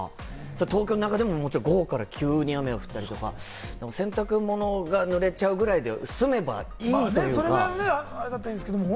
東京の中でも午後から急に雨が降ったりとか、洗濯物が濡れちゃうぐらいで済めばいいですけれども。